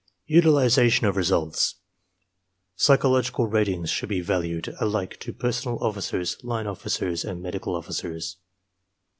UTILIZATION OF RESULTS Psychological ratings should be valuable alike to personnel officers, line officers, and medical officers.